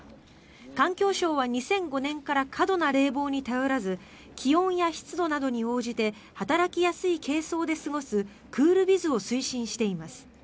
環境省は２００５年から過度な冷房に頼らず気温や湿度などに応じて働きやすい軽装で過ごすクールビズを推進しています。